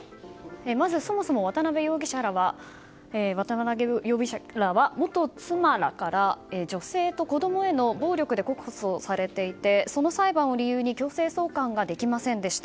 まず、そもそも渡辺容疑者らは元妻らから女性と子供への暴力で告訴されていてその裁判を理由に強制送還ができませんでした。